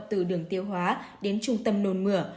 từ đường tiêu hóa đến trung tâm nồn mửa